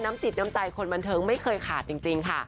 จิตน้ำใจคนบันเทิงไม่เคยขาดจริงค่ะ